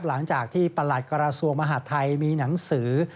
หลังจากที่ประหลัดกระทรวงมหาดไทยมีหนังสือ